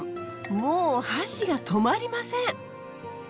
もう箸がとまりません。